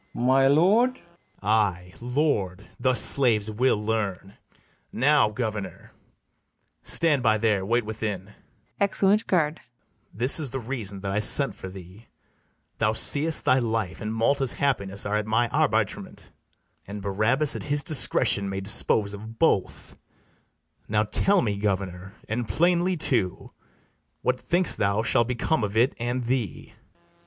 My lord? BARABAS. Ay, LORD; thus slaves will learn. Now, governor, stand by there, wait within, [Exeunt GUARD.] This is the reason that I sent for thee: Thou seest thy life and Malta's happiness Are at my arbitrement; and Barabas At his discretion may dispose of both: Now tell me, governor, and plainly too, What think'st thou shall become of it and thee? FERNEZE.